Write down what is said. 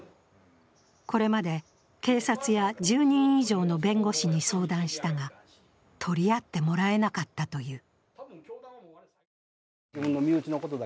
これまで、警察や１０人以上の弁護士に相談したが取り合ってもらえなかったという。